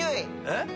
えっ？